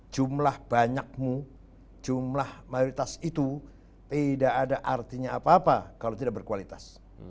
jumlah banyakmu jumlah mayoritas itu tidak ada artinya apa apa kalau tidak berkualitas